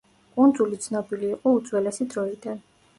კუნძული ცნობილი იყო უძველესი დროიდან.